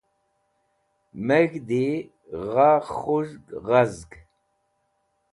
meg̃hdi gha khuzg ghazg